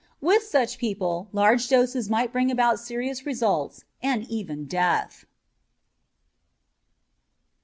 With such people large doses might bring about serious results and even death.